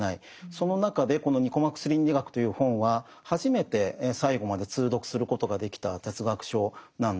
その中でこの「ニコマコス倫理学」という本は初めて最後まで通読することができた哲学書なんです。